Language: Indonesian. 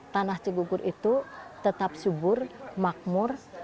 tanah cibugur itu tetap subur makmur